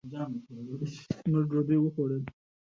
O let us be joyful!